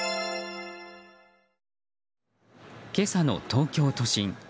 今朝の東京都心。